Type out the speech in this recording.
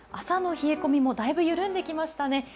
朝の冷え込みもだいぶ緩んできましたね。